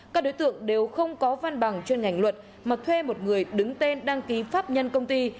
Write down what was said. các đối tượng đều không có văn bằng chuyên ngành luật mà thuê một người đứng tên đăng ký pháp nhân công ty